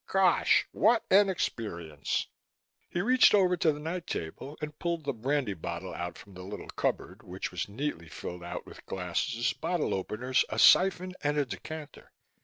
Gosh! what an experience!" He reached over to the night table and pulled the brandy bottle out from the little cupboard, which was neatly fitted out with glasses, bottle openers, a syphon and a decanter.